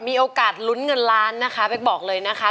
มีโอกาสลุ้นเงินล้านนะคะเป๊กบอกเลยนะคะ